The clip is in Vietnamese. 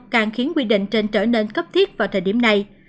càng khiến quy định trên trở nên cấp thiết vào thời điểm này